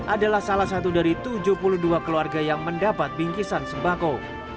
adalah salah satu dari tujuh puluh dua keluarga yang mendapat bingkisan sembako